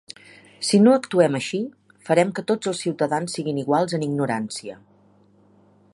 Si no actuem així, farem que tots els ciutadans siguin iguals en ignorància.